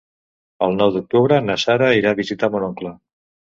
El nou d'octubre na Sara irà a visitar mon oncle.